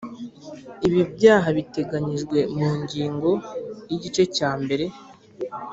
Ibindi byaha biteganyijwe mu ngingo ya igice cya mbere